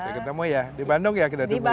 kita ketemu ya di bandung ya kita ketemu ya